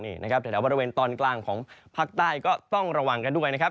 แต่ในบริเวณตอนกลางของภาคใต้ก็ต้องระวังกันด้วยนะครับ